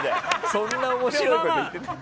そんな面白いこと言ってない。